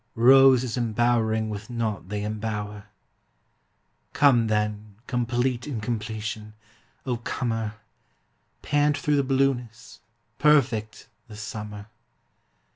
Roses embowering with naught they embower! Come then, complete incompletion, O comer, Pant through the blueness, perfect the summer!